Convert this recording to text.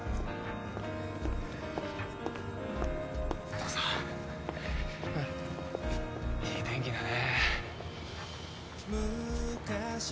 父さんいい天気だね。